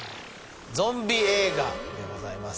「ゾンビ映画」でございます